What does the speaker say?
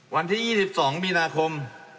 วันที่๒๒มีนาคม